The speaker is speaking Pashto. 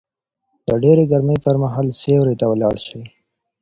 د ډېرې ګرمۍ پر مهال سيوري ته ولاړ شه